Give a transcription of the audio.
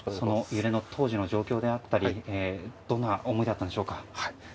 揺れの当時の状況であったりどんな思いだったでしょうか？